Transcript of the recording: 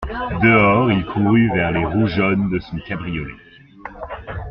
Dehors, il courut vers les roues jaunes de son cabriolet.